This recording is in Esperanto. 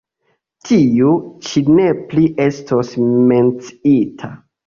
Tiu ĉi ne plu estos menciita.